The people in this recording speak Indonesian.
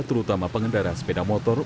terutama pengendara sepeda motor